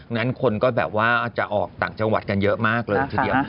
นั้นคนก็แบบว่าจะออกต่างจังหวัดกันเยอะมากเลยทีเดียว